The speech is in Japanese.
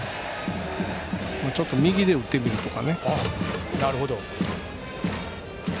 ちょっと、右で打ってみるとかね。